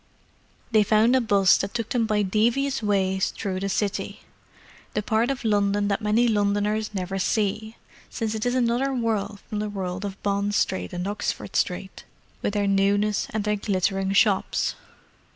They found a 'bus that took them by devious ways through the City; the part of London that many Londoners never see, since it is another world from the world of Bond Street and Oxford Street, with their newness and their glittering shops.